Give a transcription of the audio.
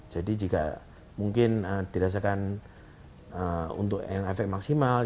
jadi jika mungkin dirasakan untuk efek maksimal